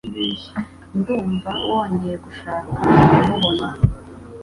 Ndumva wongeye gushaka ku mubona.